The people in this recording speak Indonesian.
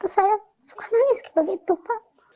saya suka nangis begitu pak